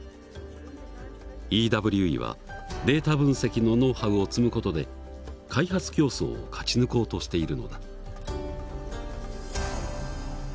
ＥＷＥはデータ分析のノウハウを積む事で開発競争を勝ち抜こうとしているのだ。